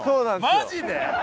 マジで？